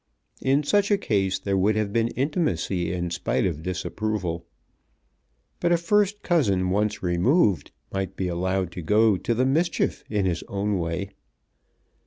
In such a case there would have been intimacy in spite of disapproval. But a first cousin once removed might be allowed to go to the Mischief in his own way.